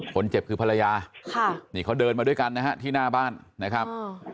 คนเจ็บคือภรรยาค่ะนี่เขาเดินมาด้วยกันนะฮะที่หน้าบ้านนะครับ